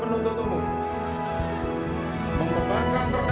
mengubahkan terdakwa untuk membayar pihak perkawasan besar lima rupiah